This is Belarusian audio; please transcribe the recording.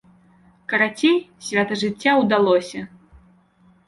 Карацей, свята жыцця ўдалося!